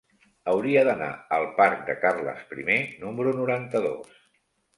Hauria d'anar al parc de Carles I número noranta-dos.